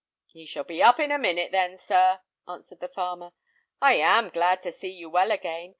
"He shall be up in a minute, then, sir," answered the farmer. "I am glad to see you well again.